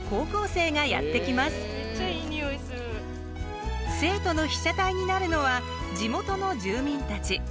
生徒の被写体になるのは地元の住民たち。